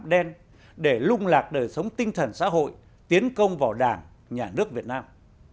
đen để lung lạc đời sống tinh thần xã hội tiến công vào đảng nhà nước việt nam